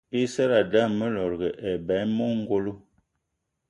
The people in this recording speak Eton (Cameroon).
I seradé ame lòdgì eba eme ongolo.